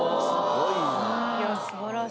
いや素晴らしい。